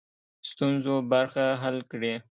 ستونزو برخه حل کړي.